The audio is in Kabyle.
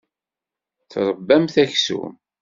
Tṛebbamt aksum.